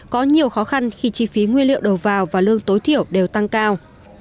có nhiều khó khăn khi chi phí nguyên liệu đầu vào và lương tối thiểu đều tăng cao